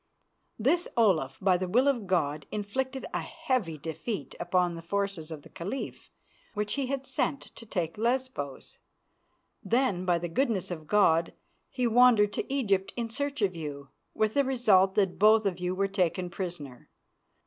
This Olaf, by the will of God, inflicted a heavy defeat upon the forces of the Caliph which he had sent to take Lesbos. Then, by the goodness of God, he wandered to Egypt in search of you, with the result that both of you were taken prisoner.